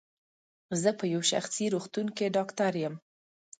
زه په یو شخصي روغتون کې ډاکټر یم.